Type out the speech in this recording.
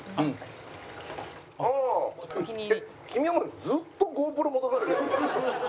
君はずっとＧｏＰｒｏ持たされてるの？